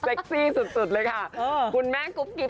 ซี่สุดเลยค่ะคุณแม่กุ๊บกิ๊บ